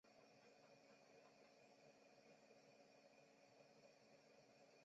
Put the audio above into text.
糙叶树是榆科糙叶树属的植物。